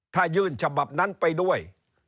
ถ้ายื่นฉบับนั้นไปด้วย